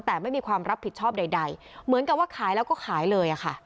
แต่ไม่มีความรับผิดชอบใดเหมือนกับว่าขายแล้วก็ขายเลยค่ะ